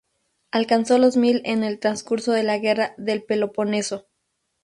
Alcanzó los mil en el trascurso de la Guerra del Peloponeso.